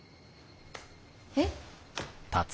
えっ？